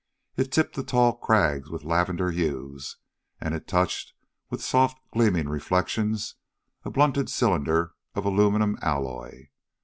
It tipped the tall crags with lavender hues, and it touched with soft gleaming reflections a blunted cylinder of aluminum alloy.